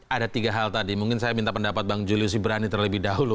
ada tiga hal tadi mungkin saya minta pendapat bang julius ibrani terlebih dahulu